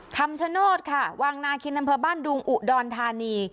คำชโนธค่ะวังนาคินอำเภอบ้านดุงอุดรธานี